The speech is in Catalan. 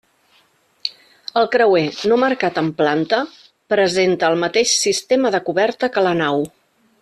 El creuer, no marcat en planta, presenta el mateix sistema de coberta que la nau.